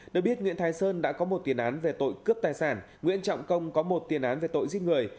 được biết nguyễn thái sơn đã có một tiền án về tội cướp tài sản nguyễn trọng công có một tiền án về tội giết người